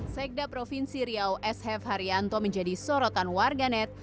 sekda provinsi riau s f haryanto menjadi sorotan warganet